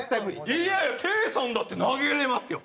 いやいやケイさんだって投げれますよ。